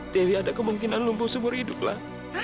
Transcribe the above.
dewi ada kemungkinan lumpuh seumur hidup lah